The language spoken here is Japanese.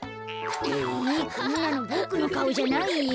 えこんなのボクのかおじゃないよ。